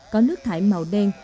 có nước thải màu đen